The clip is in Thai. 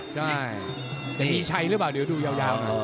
จะมีชัยหรือเปล่าเดี๋ยวดูยาว